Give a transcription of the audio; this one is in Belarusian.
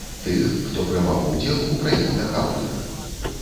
Тых, хто прымаў удзел у праектах аўтара.